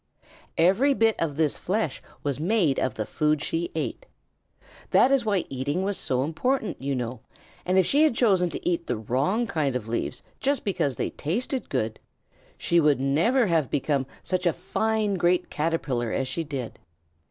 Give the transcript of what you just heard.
Every bit of this flesh was made of the food she ate. That is why eating was so important, you know, and if she had chosen to eat the wrong kind of leaves just because they tasted good, she would never have become such a fine great Caterpillar as she did.